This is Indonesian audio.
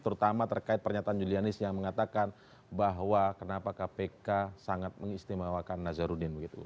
terutama terkait pernyataan julianis yang mengatakan bahwa kenapa kpk sangat mengistimewakan nazarudin